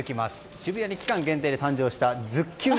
渋谷に期間限定で誕生したズッキュン